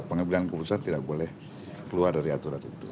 pengelolaan ke pusat tidak boleh keluar dari aturan itu